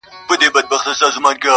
چي بې گدره گډېږي، خود بې سين وړي.